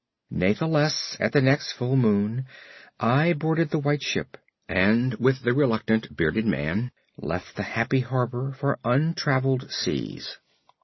Natheless at the next full moon I boarded the White Ship, and with the reluctant bearded man left the happy harbor for untraveled seas.